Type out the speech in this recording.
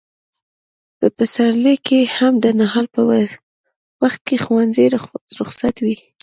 په پسرلي کې هم د نهال په وخت کې ښوونځي رخصت وي.